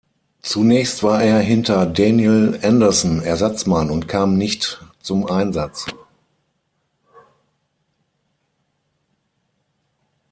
Zunächst war er hinter Daniel Andersson Ersatzmann und kam nicht zum Einsatz.